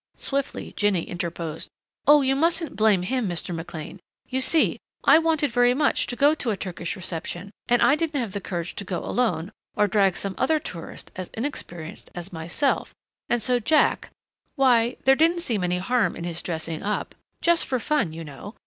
Swiftly Jinny interposed. "Oh, you mustn't blame him, Mr. McLean! You see, I wanted very much to go to a Turkish reception and I didn't have the courage to go alone or drag some other tourist as inexperienced as myself, and so Jack why, there didn't seem any harm in his dressing up. Just for fun, you know.